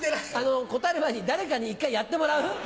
答える前に誰かに１回やってもらう？